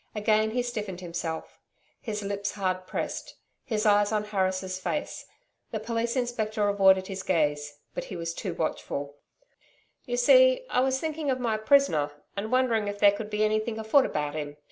Again he stiffened himself; his lips hard pressed; his eyes on Harris' face. The Police Inspector avoided his gaze; but he too was watchful. 'You see I was thinking of my prisoner, and wondering if there could be anything afoot about him.